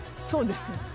そうです。